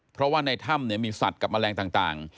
เพราะว่าในถ้ำมีสัตว์กับแมลงต่าง